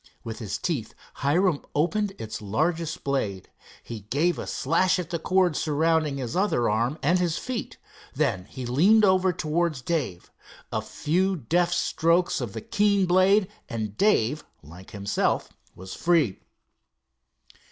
With his teeth, Hiram opened its largest blade. He gave a slash at the cords surrounding his other arm and his feet. Then he leaned over towards Dave. A few deft strokes of the keen blade, and Dave, like himself, was free.